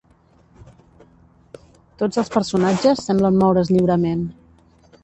Tots els personatges semblen moure's lliurement.